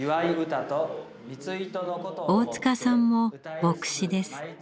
大塚さんも牧師です。